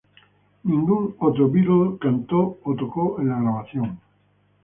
Ningún otro Beatle cantó o tocó en la grabación.